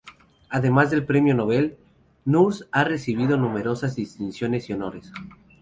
Además del Premio Nobel, Nurse ha recibido numerosas distinciones y honores.